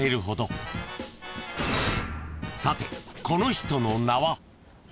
［さてこの人の名は？］えっ？